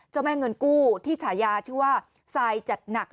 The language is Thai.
แม่เงินกู้ที่ฉายาชื่อว่าทรายจัดหนัก